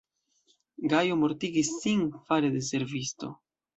Gajo mortigis sin fare de servisto.